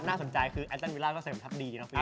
น่าสนใจคือแอปตันวิลล่าเจอเสร็จประทับดี